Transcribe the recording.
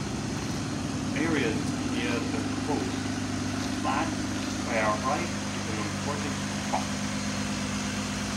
Areas near the coast are flat where rice is an important crop.